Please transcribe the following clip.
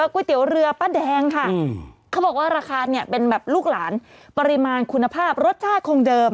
ก๋วยเตี๋ยวเรือป้าแดงค่ะเขาบอกว่าราคาเนี่ยเป็นแบบลูกหลานปริมาณคุณภาพรสชาติคงเดิม